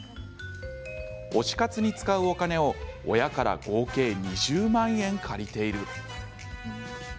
「推し活に使うお金を親から合計２０万円借りている。」